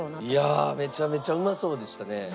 いやめちゃめちゃうまそうでしたね。